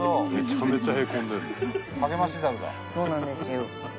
そうなんですよ。